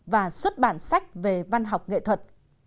và xuất bản sách về văn học nghệ thuật